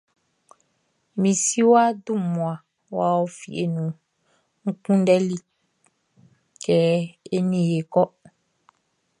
Mi si wʼa dun mmua wʼa ɔ fieʼn nun N kunndɛli kɛ e nin i é kɔ́.